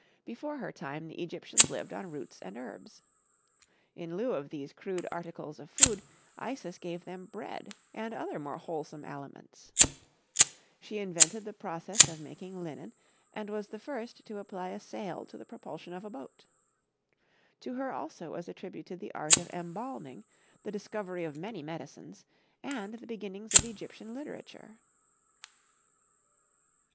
Before her time the Egyptians lived on roots and herbs. In lieu of these crude articles of food, Isis gave them bread and other more wholesome aliments. She invented the process of making linen and was the first to apply a sail to the propulsion of a boat. To her also was attributed the art of embalming, the discovery of many medicines and the beginnings of Egyptian literature.